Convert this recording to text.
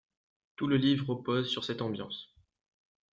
Tout le livre repose sur cette ambiance.